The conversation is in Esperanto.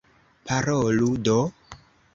Parolu do!